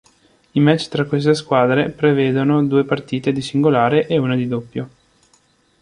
I match tra queste squadre prevedono due partite di singolare e una di doppio.